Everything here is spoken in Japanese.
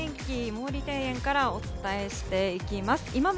毛利庭園からお伝えします。